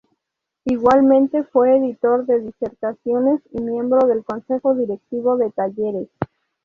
Igualmente, fue editor de "Disertaciones y" miembro del consejo directivo de "Talleres".